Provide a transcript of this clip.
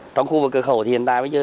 trong khu vực cửa khẩu thì hiện tại bây giờ